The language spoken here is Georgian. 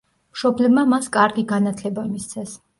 მშობლებმა მას კარგი განათლება მისცეს.